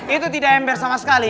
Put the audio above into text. itu tidak ember sama sekali